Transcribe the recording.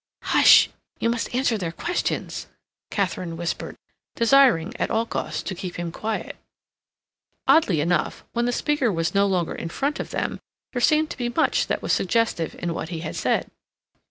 "Hush! You must answer their questions," Katharine whispered, desiring, at all costs, to keep him quiet. Oddly enough, when the speaker was no longer in front of them, there seemed to be much that was suggestive in what he had said.